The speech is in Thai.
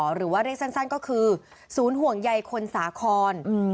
หรือว่าเรียกสั้นก็คือศูนย์ห่วงใยคนสาคร